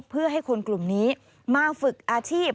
เพื่อให้คนกลุ่มนี้มาฝึกอาชีพ